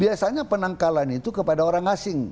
biasanya penangkalan itu kepada orang asing